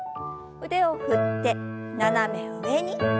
腕を振って斜め上に。